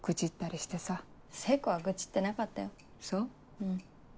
うん。